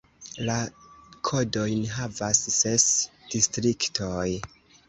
La kodojn havas ses distriktoj.